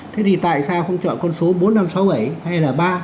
thế thì tại sao không chọn con số bốn nghìn năm trăm sáu mươi bảy hay là ba